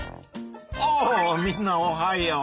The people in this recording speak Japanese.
あみんなおはよう！